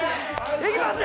いきますよ。